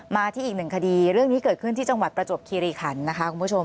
มาที่อีกหนึ่งคดีเรื่องนี้เกิดขึ้นที่จังหวัดประจวบคีรีขันนะคะคุณผู้ชม